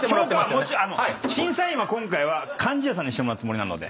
審査員は今回は貫地谷さんにしてもらうつもりなので。